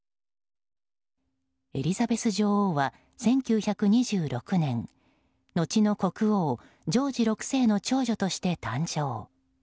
エリザベス女王は１９２６年のちの国王ジョージ６世の長女として誕生。